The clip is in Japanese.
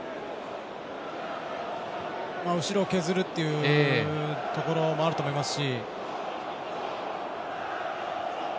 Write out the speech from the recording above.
後ろを削るというところもあると思いますし。